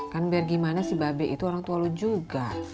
kan biar gimana si babe itu orang tua lu juga